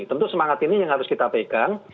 tentu semangat ini yang harus kita pegang